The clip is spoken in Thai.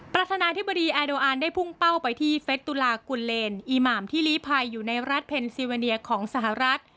ประธานาธิบดีแอโดอานได้พุ่งเป้าไปที่เฟสตุลากุลเลนอีหมามที่ลีภัยอยู่ในรัฐเพนซีวาเนียของสหรัฐ